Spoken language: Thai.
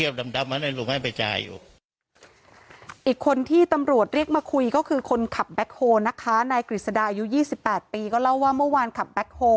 อีกคนที่ตำรวจเรียกมาคุยก็คือคนขับแบ็คโฮลนะคะนายกฤษดาอายุ๒๘ปีก็เล่าว่าเมื่อวานขับแก๊คโฮล